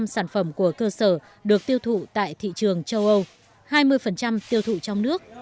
năm sản phẩm của cơ sở được tiêu thụ tại thị trường châu âu hai mươi tiêu thụ trong nước